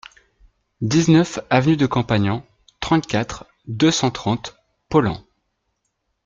dix-neuf avenue de Campagnan, trente-quatre, deux cent trente, Paulhan